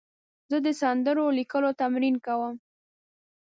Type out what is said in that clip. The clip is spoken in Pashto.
زه د سندرو لیکلو تمرین کوم.